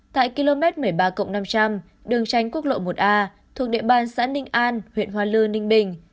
tại km một mươi ba năm trăm linh đường tránh quốc lộ một a thuộc địa bàn xã ninh an huyện hoa lư ninh bình